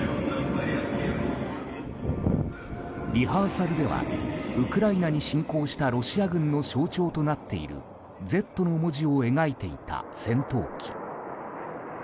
リハーサルではウクライナに侵攻したロシア軍の象徴となっている「Ｚ」の文字を描いていた戦闘機。